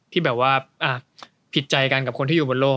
ที่แบบว่าผิดใจกันกับคนที่อยู่บนโลก